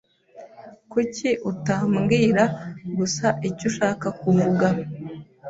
Kuki utambwira gusa icyo ushaka kuvuga?